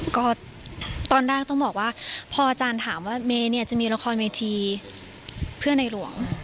ก็ตอนแรกต้องบอกว่าพออาจารย์ถามว่าเมย์เนี่ยจะมีละครเวทีเพื่อในหลวง